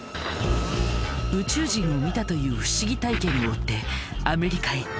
宇宙人を見たという不思議体験を追ってアメリカへ。